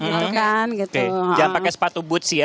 untuk yang gitu jangan pakai sepatu butz ya